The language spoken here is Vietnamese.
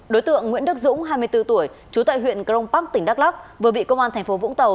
đối tượng nguyễn đức dũng hai mươi bốn tuổi trú tại huyện cron park tỉnh đắk lắk vừa bị công an tp vũng tàu